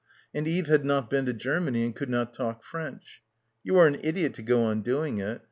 And Eve had not been to Germany and could not talk French. "You are an idiot to go on doing it.